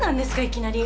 いきなり。